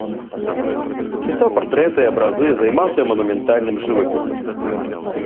Пісаў партрэты, абразы, займаўся манументальным жывапісам.